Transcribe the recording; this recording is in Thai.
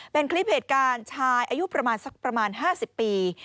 เป็นคลิปเหตุการณ์ชายอายุประมาณ๕๐ปี